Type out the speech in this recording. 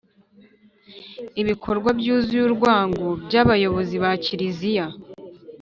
Ibikorwa byuzuye urwango by abayobozi ba kiliziya